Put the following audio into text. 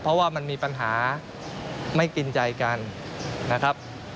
เพราะว่ามันมีปัญหาไม่กินใจกันนะครับ